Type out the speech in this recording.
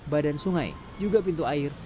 badan sungai juga pintu air